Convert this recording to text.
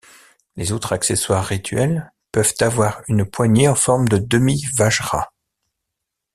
Les autres accessoires rituels peuvent avoir une poignée en forme de demi-vajra.